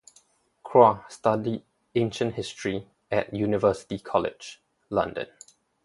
Croix studied ancient history at University College, London.